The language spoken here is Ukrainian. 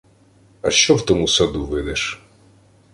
— А що в тому саду видиш?